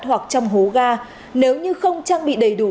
hoặc trong hố ga nếu như không trang bị đầy đủ